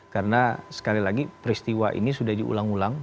karena sekali lagi peristiwa ini sudah diulang ulang